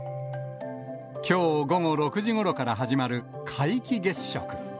きょう午後６時ごろから始まる皆既月食。